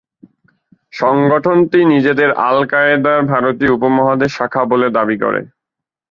সংগঠনটি নিজেদের আল কায়েদার ভারতীয় উপমহাদেশ শাখা বলে দাবি করে।